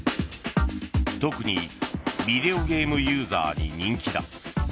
特に、ビデオゲームユーザーに人気だ。